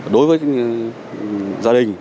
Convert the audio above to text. đối với gia đình